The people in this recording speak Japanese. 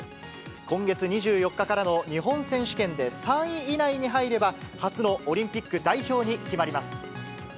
今月２４日からの日本選手権で３位以内に入れば、初のオリンピック代表に決まります。